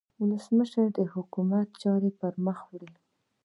ولسمشر د حکومت چارې پرمخ وړي.